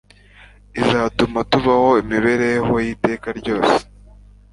izatuma tubaho imibereho y'iteka ryose